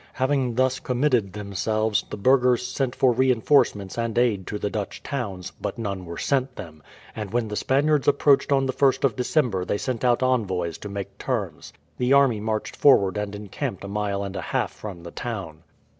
Having thus committed themselves, the burghers sent for reinforcements and aid to the Dutch towns, but none were sent them, and when the Spaniards approached on the 1st of December they sent out envoys to make terms. The army marched forward and encamped a mile and a half from the town.